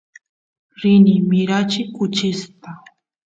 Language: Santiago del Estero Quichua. rini mirachiy kuchista